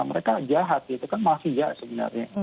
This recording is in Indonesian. mereka jahat itu kan mafia sebenarnya